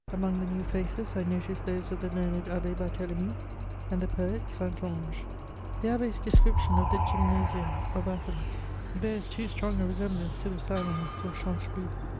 Among the new faces, I noticed those of the learned Abb4 Barthelemy, and the poet St. Ange. The abb^*s description of the gymnada of Athens bears too strong a resemblance to the salons of Chanteloup.